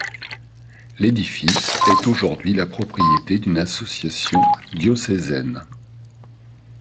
L'édifice est aujourd'hui la propriété d'une association diocésaine.